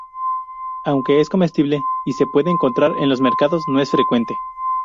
Aunque es comestible y se puede encontrar en los mercados, no es frecuente.